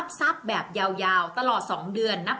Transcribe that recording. ส่งผลทำให้ดวงชะตาของชาวราศีมีนดีแบบสุดเลยนะคะ